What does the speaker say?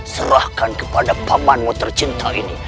serahkan kepada pak manmu tercinta ini